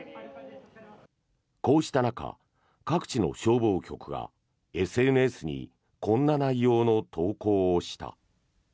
こうした中、各地の消防局がＳＮＳにこんな内容の投稿をした。